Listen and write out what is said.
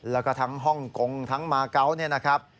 แล้วก็ทั้งฮ่องกงทั้งมาเกาะ